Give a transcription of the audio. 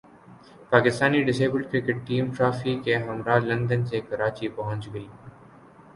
Pakistani disabled cricket team trophy کے ہمراہ London سے کراچی پہنچ گئی